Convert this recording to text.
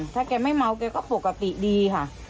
ถ้าแกไม่เมาแกก็ปกติดีค่ะ